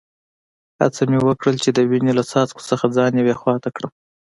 هڅه مې وکړل چي د وینې له څاڅکو څخه ځان یوې خوا ته کړم.